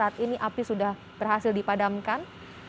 tapi sudah berhasil dipadamkan